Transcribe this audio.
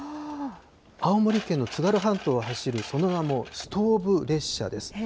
青森県の津軽半島を走るその名もストーブ列車です。